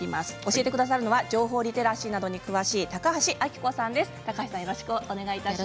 教えてくださるのは情報リテラシーなどに詳しい高橋暁子さんです。